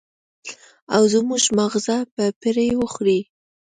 او زموږ ماغزه به پرې وخوري.